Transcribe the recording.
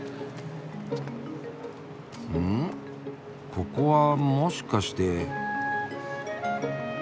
ここはもしかして。